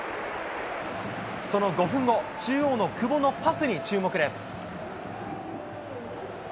その５分後、中央の久保のパスに注目です。